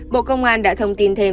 bộ công an đã thông tin thêm